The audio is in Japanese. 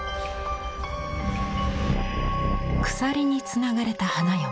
鎖につながれた花嫁。